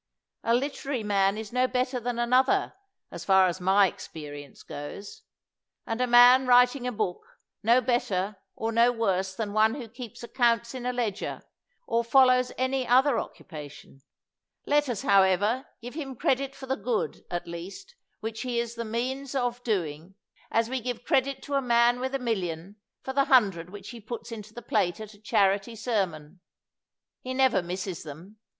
A literary man is no better than another, as far as my experience goes; and a man writing a book no better or no worse than one who keeps accounts in a ledger or follows any other oc cupation. Let us, however, give him credit for the good, at least, which he is the means of 203 THE WORLD'S FAMOUS ORATIONS doing, as we give credit to a man with a million for the hundred which he puts into the plate at a charity sermon. He never misses them.